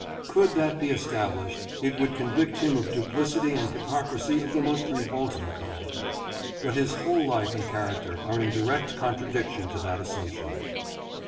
Could that be established, it would convict him of duplicity and hypocrisy of the most revolting kind. But his whole life and character are in direct contra diction to that assumption.